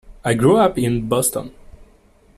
I grew up in Boston.